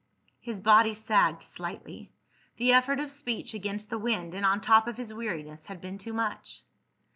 His body sagged slightly. The effort of speech, against the wind and on top of his weariness, had been too much.